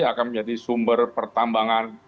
akan menjadi sumber pertambangan